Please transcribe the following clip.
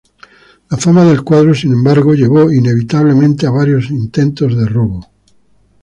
La fama del cuadro, sin embargo, llevó inevitablemente a varios intentos de robo.